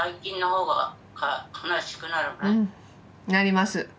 なります。